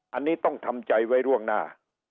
อันนี้ต้องทำใจไว้ล่วงหน้า